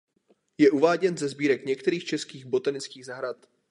Je uváděn ze sbírek některých českých botanických zahrad.